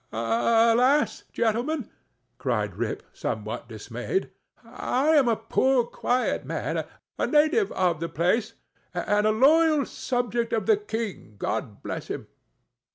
"—"Alas! gentlemen," cried Rip, somewhat dismayed, "I am a poor quiet man, a native of the place, and a loyal subject of the king, God bless him!"